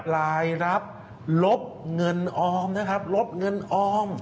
รายรับลบเงินออมนะครับลบเงินออม